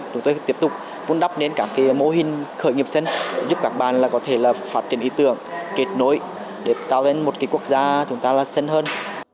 chúng tôi tiếp tục vun đắp nên các mô hình khởi nghiệp xanh giúp các bạn có thể phát triển ý tưởng kết nối để tạo ra một quốc gia chúng ta là sân hơn